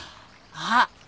あっ！